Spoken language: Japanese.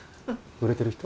売れてる人？